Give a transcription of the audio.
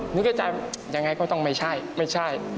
นึกในใจยังไงก็ต้องไม่ใช่ไม่ใช่